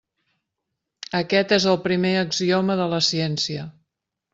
Aquest és el primer axioma de la ciència.